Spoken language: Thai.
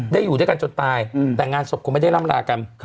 อยู่ด้วยกันจนตายแต่งานศพคงไม่ได้ร่ำลากัน